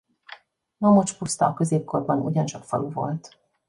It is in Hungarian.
Mamocs-puszta a középkorban ugyancsak falu volt.